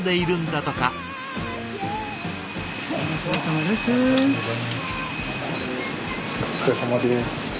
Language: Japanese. お疲れさまです。